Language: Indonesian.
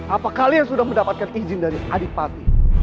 apakah kalian sudah mendapatkan izin dari adik padi